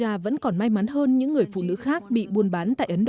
ít ra shanija vẫn còn may mắn hơn những người phụ nữ khác bị buôn bán tại ấn độ